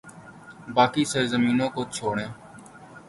باقی سرزمینوں کو چھوڑیں۔